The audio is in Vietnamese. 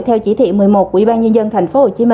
theo chỉ thị một mươi một của ủy ban nhân dân tp hcm